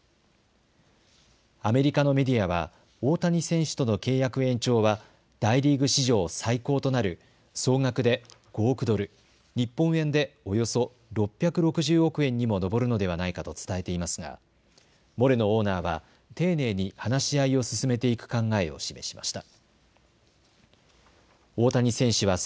アメリカのメディアは大谷選手との契約延長は大リーグ史上最高となる総額で５億ドル、日本円でおよそ６６０億円にも上るのではないかと伝えていますがモレノオーナーは丁寧に話し合いを進めていく考えを示しました。